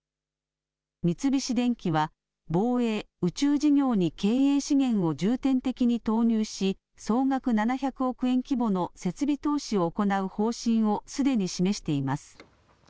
三菱電機は、防衛・宇宙事業に経営資源を重点的に投入し総額７００億円規模の設備投資を行う方針をすでに示しています。